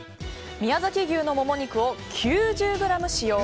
宮崎牛のモモ肉を９０ｇ使用。